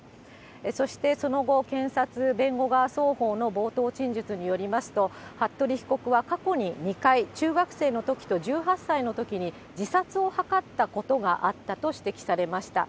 そしてその後、検察、弁護側、双方の冒頭陳述によりますと、服部被告は過去に２回、中学生のときと１８歳のときに自殺を図ったことがあったと指摘されました。